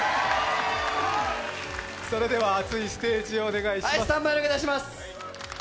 それでは熱いステージをお願いします。